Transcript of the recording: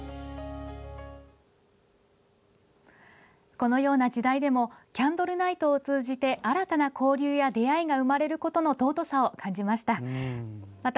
このような時代でもキャンドルナイトを通じて新たな交流や出会いが生まれることの尊さを感じました。